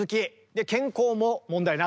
で健康も問題なかった。